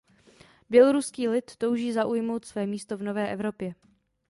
Běloruský lid touží zaujmout své místo v nové Evropě.